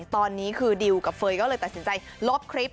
ตอนนี้คือดิวกับเฟย์ก็เลยตัดสินใจลบคลิป